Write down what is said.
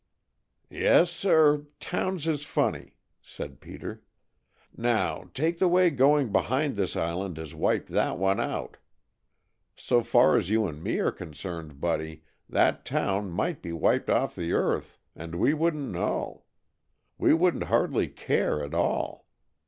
"Yes, sir, towns is funny!" said Peter. "Now, take the way going behind this island has wiped that one out. So far as you and me are concerned, Buddy, that town might be wiped off the earth, and we wouldn't know. We wouldn't hardly care at all.